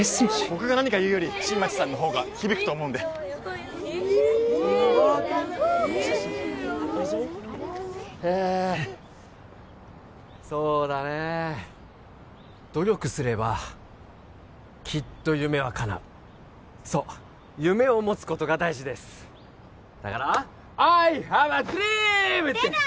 僕が何か言うより新町さんの方が響くと思うんでえそうだね努力すればきっと夢はかなうそう夢を持つことが大事ですだからアイハブアドリーム！って出た！